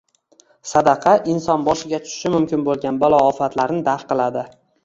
Sadaqa inson boshiga tushishi mumkin bo‘lgan balo-ofatlarni daf qiladi.